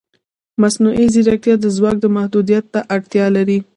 مصنوعي ځیرکتیا د ځواک محدودیت ته اړتیا لري.